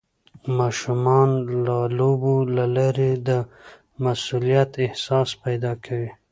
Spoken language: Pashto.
ماشومان د لوبو له لارې د مسؤلیت احساس پیدا کوي.